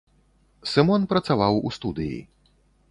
Сымон працаваў у студыі.